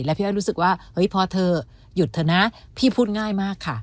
พี่อ้อยรู้สึกว่าเฮ้ยพอเธอหยุดเถอะนะพี่พูดง่ายมากค่ะ